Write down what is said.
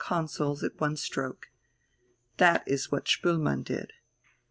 consols at one stroke. That is what Spoelmann did.